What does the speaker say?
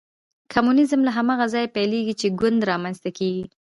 کمونیزم له هماغه ځایه پیلېږي چې ګوند رامنځته کېږي.